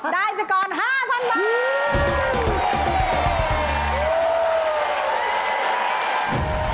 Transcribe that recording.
ได้เป็นกรณ์๕๐๐๐บาท